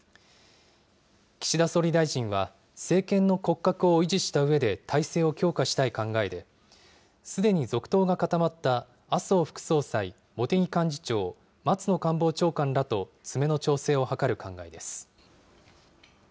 岸田総理大臣は、政権の骨格を維持したうえで体制を強化したい考えで、すでに続投が固まった麻生副総裁、茂木幹事長、松野官房長官らと詰めの調整を図る考えです。